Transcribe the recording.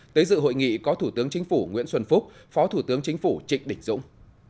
tới dự hội nghị có thủ tướng chính phủ nguyễn xuân phúc phó thủ tướng chính phủ trịnh đình dũng